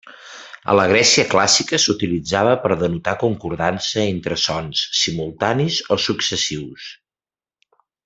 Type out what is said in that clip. A la Grècia clàssica s'utilitzava per denotar concordança entre sons simultanis o successius.